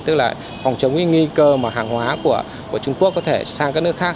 tức là phòng chống cái nguy cơ mà hàng hóa của trung quốc có thể sang các nước khác